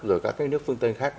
rồi các nước phương tân khác